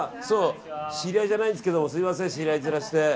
知り合いじゃないんですけどすみません、知り合い面して。